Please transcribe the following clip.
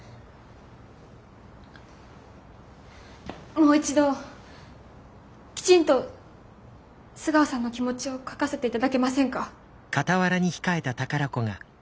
もう一度きちんと須川さんの気持ちを書かせて頂けませんか？